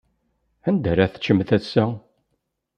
Anda ara teččem ass-a?